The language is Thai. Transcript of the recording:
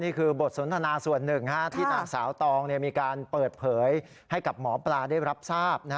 บทสนทนาส่วนหนึ่งที่นางสาวตองมีการเปิดเผยให้กับหมอปลาได้รับทราบ